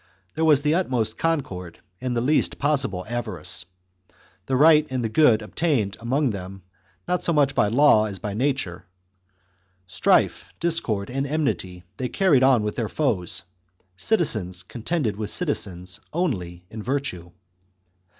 There was the utmost con cord and the least possible avarice ; the right and the good obtained among them not so much by law as by nature ; strife, discord, and enmity, they carried on with their foes ; citizens contended with citizens only in virtue.